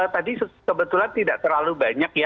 tadi kebetulan tidak terlalu banyak ya